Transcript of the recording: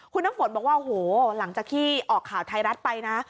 คุณน้ำฝนบอกว่าโหหลังจากที่ออกข่าวไทยรัฐไปนะ